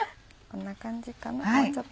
こんな感じかな。